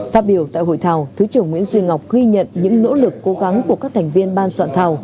phát biểu tại hội thảo thứ trưởng nguyễn duy ngọc ghi nhận những nỗ lực cố gắng của các thành viên ban soạn thảo